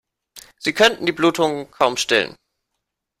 Sie könnten die Blutung kaum stillen.